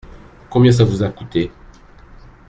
Combien ça vous a coûté ?